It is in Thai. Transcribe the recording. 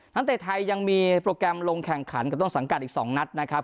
เตะไทยยังมีโปรแกรมลงแข่งขันกับต้นสังกัดอีก๒นัดนะครับ